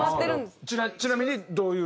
ちなみにどういう？